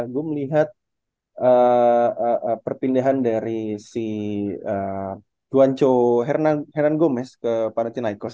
gue melihat perpindahan dari si tuan chow hernan hernan gomez ke panathinaikos